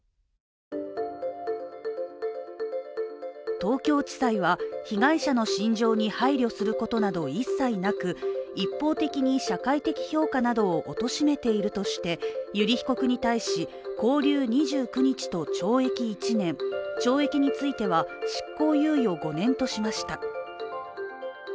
東京地裁は、被害者の心情に配慮することなど一切なく一方的に社会的評価などをおとしめているとして油利被告に対し拘留２９日と懲役１年、懲役については執行猶予５年としました。